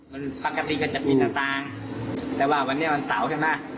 มันปกติก็จะมีสตางค์แต่ว่าวันนี้วันเสาร์ใช่ไหม